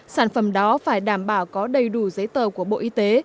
sản phẩm đó phải đảm bảo có đầy đủ giấy tờ của bộ y tế